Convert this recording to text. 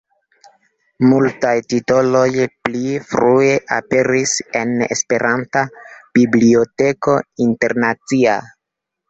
Multaj titoloj pli frue aperis en Esperanta Biblioteko Internacia.